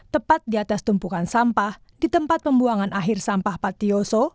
tepat di atas tumpukan sampah di tempat pembuangan akhir sampah patioso